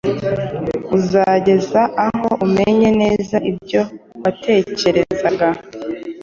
uzagera aho umenye neza ibyo watekerezaga